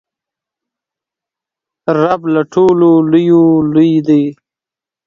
رب له ټولو لویو لوی دئ.